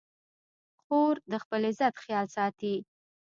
خور د خپل عزت خیال ساتي.